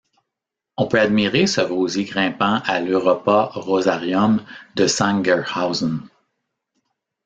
On peut admirer ce rosier grimpant à l'Europa-Rosarium de Sangerhausen.